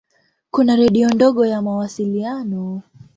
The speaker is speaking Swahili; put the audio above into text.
Kuna redio ndogo ya mawasiliano.